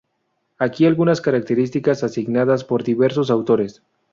Aquí algunas características asignadas por diversos autores.